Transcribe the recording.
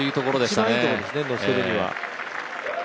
一番いいところですね、のせるには。